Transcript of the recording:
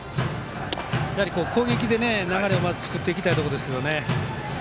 攻撃で流れを作っていきたいところですね。